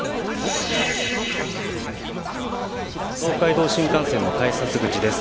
東海道新幹線の改札口です。